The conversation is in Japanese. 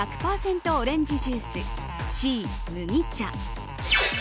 オレンジジュースＣ、麦茶。